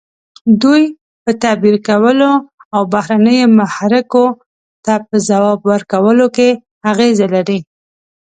دوی په تعبیر کولو او بهرنیو محرکو ته په ځواب ورکولو کې اغیزه لري.